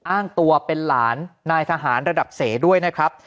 อ้างตัวเป็นหลานนายทหารระดับเสด้วยนะครับ